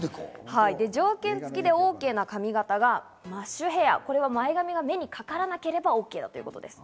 条件付きでＯＫな髪形がマッシュヘア、前髪が目にかからなければＯＫだということです。